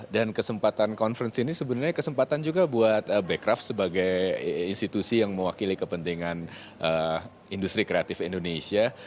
dan kesempatan conference ini sebenarnya kesempatan juga buat becraft sebagai institusi yang mewakili kepentingan industri kreatif indonesia